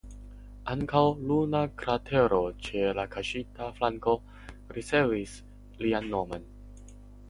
Ankaŭ luna kratero ĉe la kaŝita flanko ricevis lian nomon.